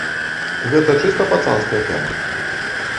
Гэта чыста пацанская тэма.